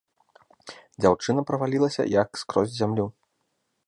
Дзяўчына правалілася як скрозь зямлю.